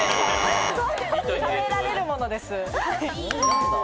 食べられるものです。